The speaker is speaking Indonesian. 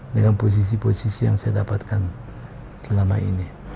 dengan posisi posisi yang saya dapatkan selama ini